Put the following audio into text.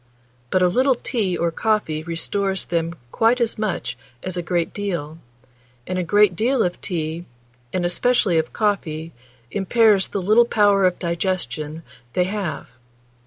But a little tea or coffee restores them quite as much as a great deal; and a great deal of tea, and especially of coffee, impairs the little power of digestion they have.